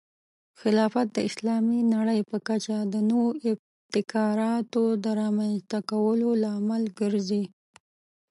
خلافت د اسلامي نړۍ په کچه د نوو ابتکاراتو د رامنځته کولو لامل ګرځي.